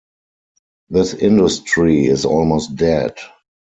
This industry is almost dead.